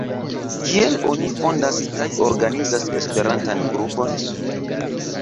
Kiel oni fondas kaj organizas Esperantan Grupon?